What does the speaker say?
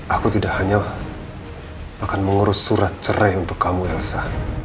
aku tidak hanya akan mengurus surat cerai untuk kamu elsa